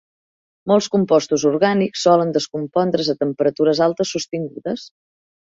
Molts compostos orgànics solen descompondre's a temperatures altes sostingudes.